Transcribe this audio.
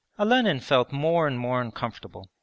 Olenin felt more and more uncomfortable.